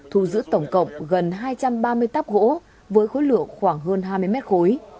thu giữ tổng cộng gần hai trăm ba mươi tóc gỗ với khối lượng khoảng hơn hai mươi mét khối